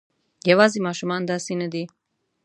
یواځې ماشومان داسې نه دي.